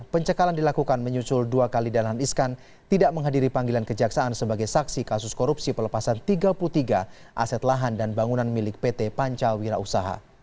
pencekalan dilakukan menyusul dua kali dahlan iskan tidak menghadiri panggilan kejaksaan sebagai saksi kasus korupsi pelepasan tiga puluh tiga aset lahan dan bangunan milik pt pancawira usaha